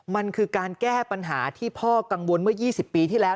มันคือการแก้ปัญหาที่พ่อกังวลเมื่อ๒๐ปีที่แล้ว